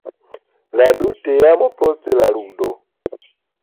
La du teamoj post la ludo.